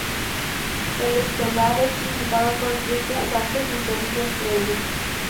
El estelar es presentado por Cristián Sánchez y Sergio Freire.